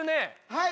はい！